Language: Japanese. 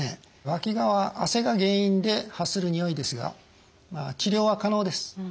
わきがは汗が原因で発するにおいですが治療は可能です。